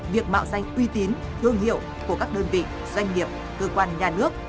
việc mạo danh uy tín thương hiệu của các đơn vị doanh nghiệp cơ quan nhà nước